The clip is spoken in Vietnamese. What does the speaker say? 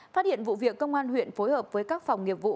phát hiện vụ việc công an huyện phối hợp với các phòng nghiệp vụ